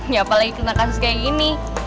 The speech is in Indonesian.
ya apalagi kena kasus kayak gini